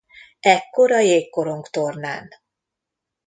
Ekkor a jégkorongtornán.